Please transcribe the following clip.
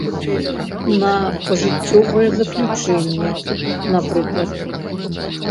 На пажыццёвае заключэнне, напрыклад.